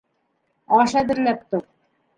Аш әҙерләп тор.